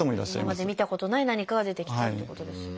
今まで見たことない何かが出てきたってことですね。